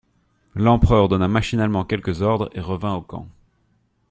L'empereur donna machinalement quelques ordres, et revint au camp.